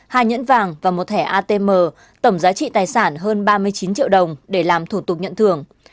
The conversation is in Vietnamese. hai nhẫn vàng và một thẻ atm tổng giá trị tài sản hơn ba mươi chín triệu đồng để làm thủ tục nhận thưởng